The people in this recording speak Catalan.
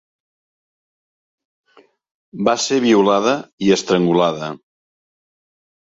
Va ser violada i estrangulada.